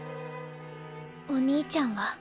お兄ちゃんは。